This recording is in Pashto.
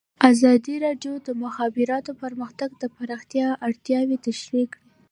ازادي راډیو د د مخابراتو پرمختګ د پراختیا اړتیاوې تشریح کړي.